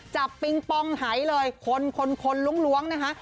จับปิงปองไหลเลยคนล้วงนะคะ